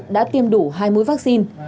đã tiêm đủ hai mũi vaccine